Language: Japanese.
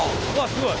すごい！